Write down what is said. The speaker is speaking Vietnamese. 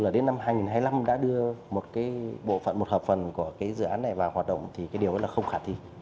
đến năm hai nghìn hai mươi năm đã đưa một hợp phần của dự án này vào hoạt động thì điều đó là không khả thi